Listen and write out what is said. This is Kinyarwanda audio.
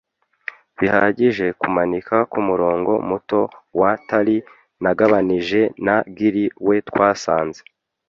bihagije, kumanika kumurongo muto wa tarry, nagabanije na gully we, twasanze